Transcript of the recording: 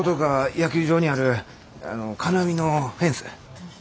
野球場にあるあの金網のフェンス。